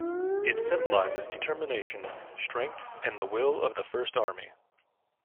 It symbolizes determination, strength and the will of the First Army.